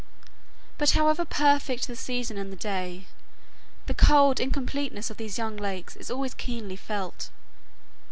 But however perfect the season and the day, the cold incompleteness of these young lakes is always keenly felt.